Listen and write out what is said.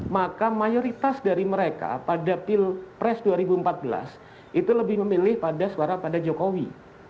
maka mayoritas dari mereka pada pilpres dua ribu empat belas itu lebih memilih pada suara pada jokowi